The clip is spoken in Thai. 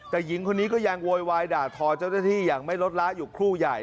แต่หญิงคนนี้ก็ยังโวยวายด่าทอเจ้าหน้าที่อย่างไม่ลดละอยู่ครู่ใหญ่